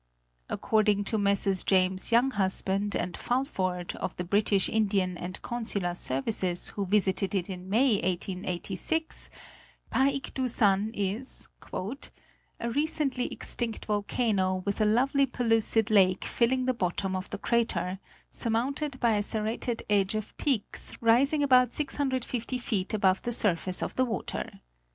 According to Messrs. James, Younghusband, and Fulford, of the British Indian and Consular services, who visited it in May, 1886, Paik du san is "a recently extinct voleano with a lovely pellucid lake filling the bottom of the crater, surmounted by a serrated edge of peaks rising about 650 feet above the surface of the water.